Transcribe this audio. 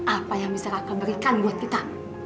apa yang bisa raka berikan buat kita